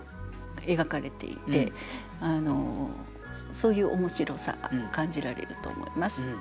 そういう面白さが感じられると思います。